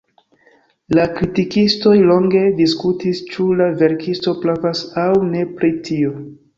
La kritikistoj longe diskutis, ĉu la verkisto pravas aŭ ne pri tio.